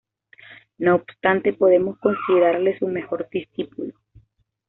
No obstante, podemos considerarle su mejor discípulo.